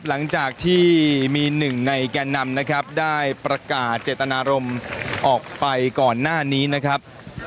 หลังจากที่มีหนึ่งในแก่นำนะครับได้ประกาศเจตนารมณ์ออกไปก่อนหน้านี้นะครับ